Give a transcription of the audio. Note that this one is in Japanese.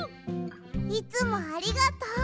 いつもありがとう！